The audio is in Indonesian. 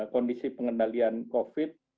kondisi pengendalian covid sembilan belas